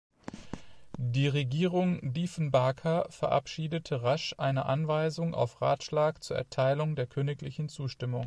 Die Regierung Diefenbaker verabschiedete rasch eine Anweisung auf Ratschlag zur Erteilung der königlichen Zustimmung.